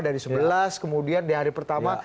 dari sebelas kemudian di hari pertama